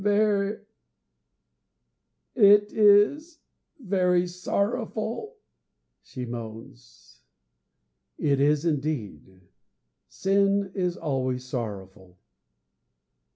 _ 'It is very sorrowful!' she moans. It is indeed; sin is always sorrowful.